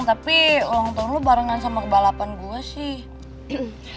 tapi ulang tahun lu barengan sama kebalapan gue sih